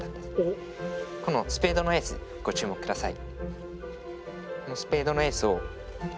このスペードのエースにご注目下さい。